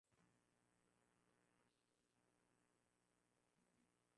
Tarehe ishirini na moja mwezi wa kumi na mbili